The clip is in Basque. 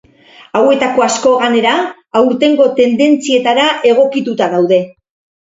Hauetako asko gainera aurtengo tendentzietara egokituta daude.